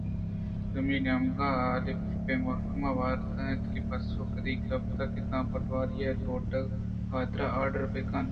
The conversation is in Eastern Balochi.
دومی نیمگ ءَ الف ءِ محکمہ ودار ءَ اِنت کہ پسو کدی کیت تاں کہ آ پٹواری ئے لوٹگ ءِحاترا آرڈر بہ کنت